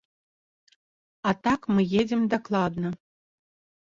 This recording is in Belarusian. А так, мы едзем дакладна.